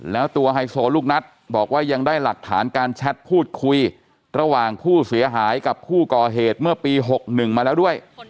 แล้วตัวไฮโซลูกนัทบอกว่ายังได้หลักฐานการแชทพูดคุยระหว่างผู้เสียหายกับผู้ก่อเหตุเมื่อปี๖๑มาแล้วด้วย